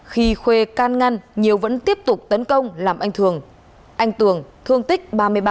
khi khuê can ngăn nhiều vẫn tiếp tục tấn công làm anh tường thương tích ba mươi ba